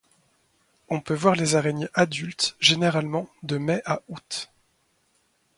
On peut voir les araignées adulte généralement de mai à août.